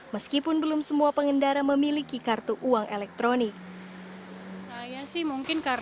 meskipun belum semua pengendara memiliki kartu uang elektronik